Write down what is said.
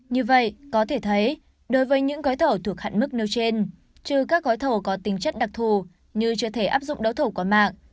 như vậy có thể thấy đối với những gói thầu thuộc hạn mức nêu trên chứ các gói thầu có tính chất đặc thù như chưa thể áp dụng đấu thầu qua mạng